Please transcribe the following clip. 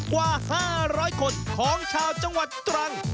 กว่า๕๐๐คนของชาวจังหวัดตรัง